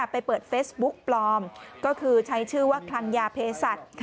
ไปเปิดเฟซบุ๊กปลอมก็คือใช้ชื่อว่าคลังยาเพศัตริย์